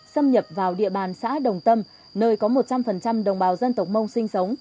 xâm nhập vào địa bàn xã đồng tâm nơi có một trăm linh đồng bào dân tộc mông sinh sống